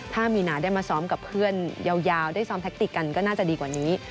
ถ้ามีนาได้มาซ้อมกับเพื่อนยาวได้ซ้อมแท็กติกกันก็น่าจะดีกว่านี้